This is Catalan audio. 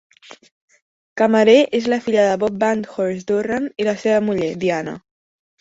Camerer és la filla de Bob Badenhorst Durrant i la seva muller, Diana.